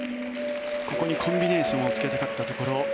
ここにコンビネーションをつけたかったところ。